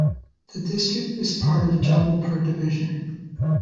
The district is part of Jabalpur Division.